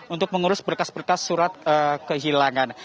untuk mengurus berkas berkas surat kehilangan